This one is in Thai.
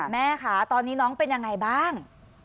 แม่ค่ะตอนนี้น้องเป็นยังไงบ้าง